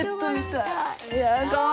いやかわいい。